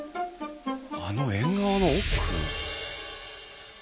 あの縁側の奥。